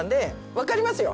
わかりますよ。